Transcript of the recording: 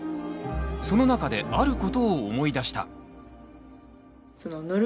その中であることを思い出した。